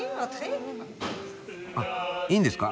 あっいいんですか？